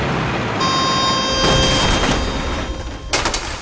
あ。